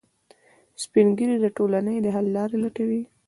سپین ږیری د ټولنې د حل لارې لټوي